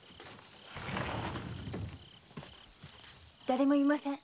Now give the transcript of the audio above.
だれもいません。